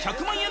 １００万！